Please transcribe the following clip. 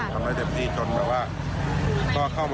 ก็พักเปีย่งใหญ่นะครับ